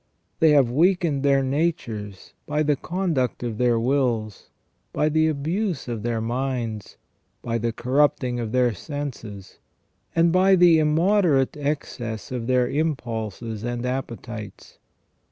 They have weakened their natures by the conduct of their wills, by the abuse of their minds, by the corrupting of their senses, and by the immoderate excess of their impulses and appetites.